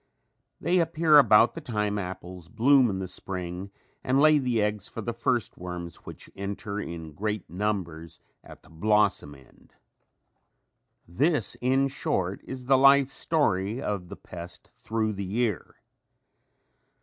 They appear about the time apples bloom in the spring and lay the eggs for the first worms which enter in great numbers at the blossom end. This in short, is the life story of the pest through the year.